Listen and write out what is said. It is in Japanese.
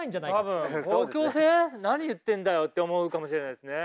多分「公共性？何言ってんだよ？」って思うかもしれないですね。